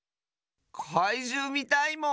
かいじゅうみたいもん！